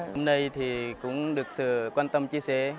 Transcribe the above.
hôm nay cũng được sự quan tâm chia sẻ